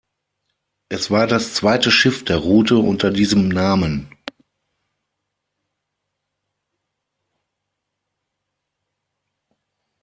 Es war das zweite Schiff der Rute unter diesem Namen.